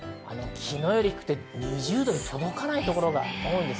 昨日よりも低くて２０度に届かないところが多いです。